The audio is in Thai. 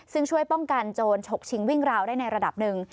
ซึ่งช่วยป้องกันโจรฉกชิงวิ่งราวได้ในระดับหนึ่ง